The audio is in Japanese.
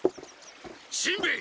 しんべヱ！